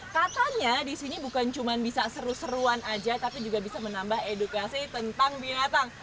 katanya di sini bukan cuma bisa seru seruan aja tapi juga bisa menambah edukasi tentang binatang